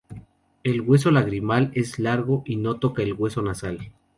El hueso lagrimal es largo y no toca el hueso nasal.